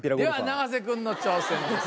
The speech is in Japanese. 永瀬君の挑戦です。